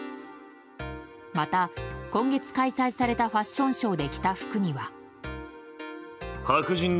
また、今月開催されたファッションショーで着た服には。